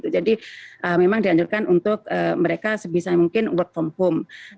jadi memang dianjurkan untuk mereka sebisa mungkin work from home